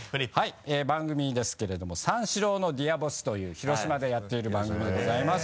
番組ですけれども「三四郎のＤｅａｒボス」という広島でやっている番組でございます。